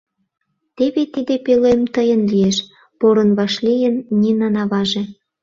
— Теве тиде пӧлем тыйын лиеш, — порын вашлийын Нинан аваже.